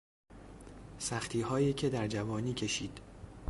سختی هایی که در جوانی کشید